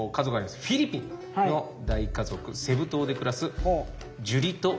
フィリピンの大家族セブ島で暮らすジュリト・ロマノさん一家。